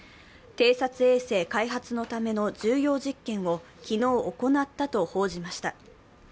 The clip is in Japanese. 偵察衛星開発のための重要実験を昨日行ったと報じました。